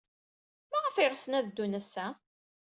Maɣef ay ɣsen ad ddun ass-a?